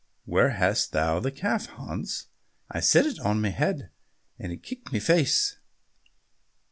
"Where hast thou the calf, Hans?" "I set it on my head and it kicked my face."